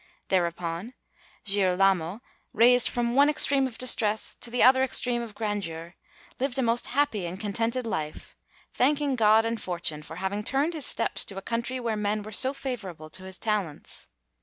Thereupon Girolamo, raised from one extreme of distress to the other extreme of grandeur, lived a most happy and contented life, thanking God and Fortune for having turned his steps to a country where men were so favourable to his talents.